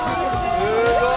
すごい！